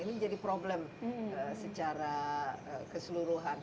ini menjadi problem secara keseluruhan